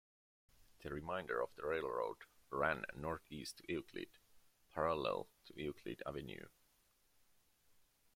The remainder of the railroad ran north-east to Euclid, parallel to Euclid Avenue.